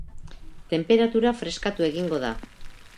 Tenperatura freskatu egingo da.